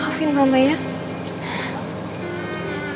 harusnya hari ini mama berubah kembali ke rumah elsa ya